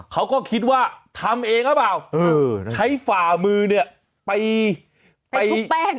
เขาก็คิดว่าทำเองหรือเปล่าใช้ฝ่ามือเนี่ยไปชุบแป้ง